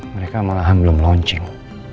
mereka malahan belum launching